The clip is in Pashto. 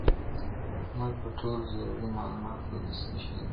موږ به ټول ضروري معلومات له دوی سره شريک کړو.